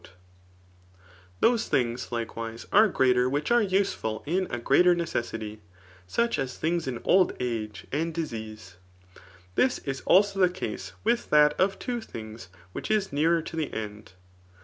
taken away from die year/^ Thioae dus^ Uketm^ tat greater which are useful in a greater necessity ; such as diings in oM age and disease. This is also the case with that of two things which is nearer to the end.